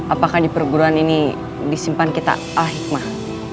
apakah di perguruan ini disimpan kita al hikmah